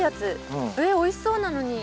えっおいしそうなのに。